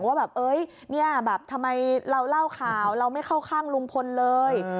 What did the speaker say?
ว่าแบบทำไมเราเล่าข่าวเราไม่เข้าข้างลุงพลเลย